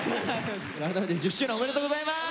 改めて１０周年おめでとうございます！